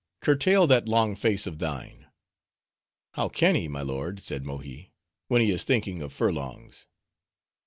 curtail that long face of thine." "How can he, my lord," said Mohi, "when he is thinking of furlongs?"